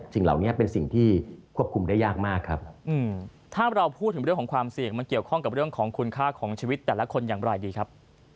สิ่งเหล่านี้เป็นสิ่งที่ควบคุมได้ยากมากครับ